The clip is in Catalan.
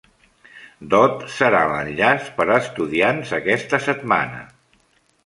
Dot serà l'enllaç per a estudiants aquesta setmana.